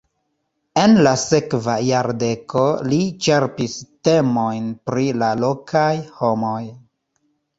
En la sekva jardeko li ĉerpis temojn pri la lokaj homoj.